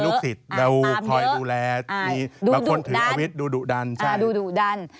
แบบหูคอยดูแลมีบางคนถืออาวิทย์ดูดุดัน